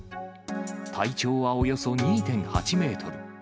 体長はおよそ２．８メートル。